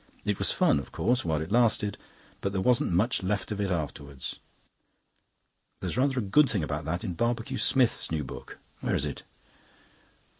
It was fun, of course, while it lasted. But there wasn't much left of it afterwards. There's rather a good thing about that in Barbecue Smith's new book. Where is it?"